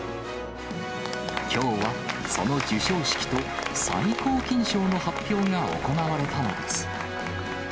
きょうは、その授賞式と、最高金賞の発表が行われたのです。